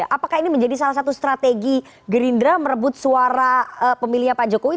apakah ini menjadi salah satu strategi gerindra merebut suara pemilihnya pak jokowi